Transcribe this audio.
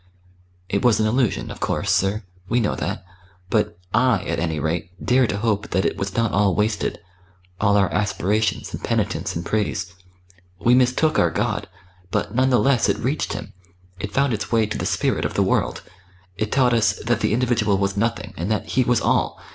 "It was an illusion, of course, sir we know that. But I, at any rate, dare to hope that it was not all wasted all our aspirations and penitence and praise. We mistook our God, but none the less it reached Him it found its way to the Spirit of the World. It taught us that the individual was nothing, and that He was all.